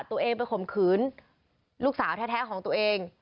ตัวเองไปข่มขืนลูกสาวแท้ของตัวเอง